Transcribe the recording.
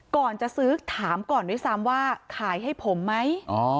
ก่อนจะซื้อถามก่อนด้วยซ้ำว่าขายให้ผมไหม